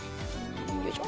よいしょ！